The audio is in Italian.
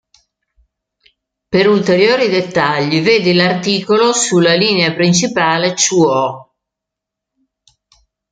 Per ulteriori dettagli, vedi l'articolo sulla linea principale Chūō.